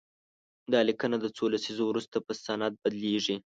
دا لیکنه د څو لسیزو وروسته په سند بدليږي.